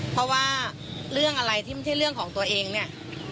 เพราะว่าเรื่องอะไรที่ไม่ใช่เรื่องของตัวเองเนี่ย